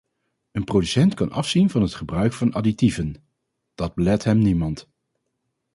Een producent kan afzien van het gebruik van additieven, dat belet hem niemand.